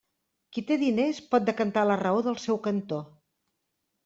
Qui té diners pot decantar la raó del seu cantó.